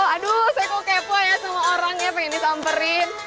aduh saya kok kepo ya semua orang ya pengen disamperin